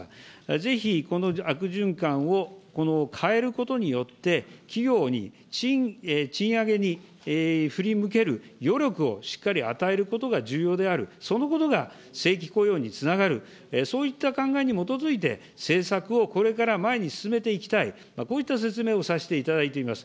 ぜひこの悪循環を、この、変えることによって、企業に賃上げに、振り向ける余力をしっかり与えることが重要である、そのことが正規雇用につながる、そういった考えに基づいて、政策をこれから前に進めていきたい、こういった説明をさせていただいています。